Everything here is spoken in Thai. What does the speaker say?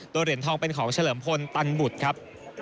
โดยเหรียญทองเป็นของเฉลิมพลตันบุตรครับ